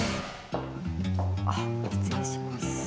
あ失礼します。